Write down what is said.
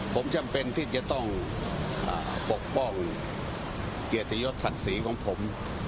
ผมจำเป็นที่จะต้องปกป้องเกียรติยศศักดิ์ศรีของผม